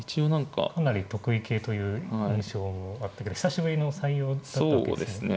かなり得意形という印象もあったけど久しぶりの採用だったわけですね。